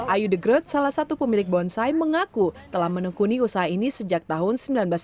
ayu the growth salah satu pemilik bonsai mengaku telah menekuni usaha ini sejak tahun seribu sembilan ratus sembilan puluh